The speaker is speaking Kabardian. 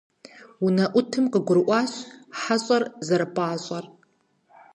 УнэӀутым къыгурыӀуащ хьэщӀэр зэрыпӀащӀэр.